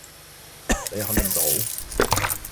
你肯定到？